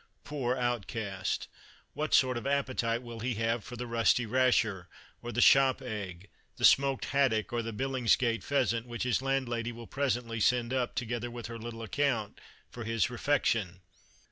Poor outcast! what sort of appetite will he have for the rusty rasher, or the shop egg, the smoked haddock, or the "Billingsgate pheasant," which his landlady will presently send up, together with her little account, for his refection?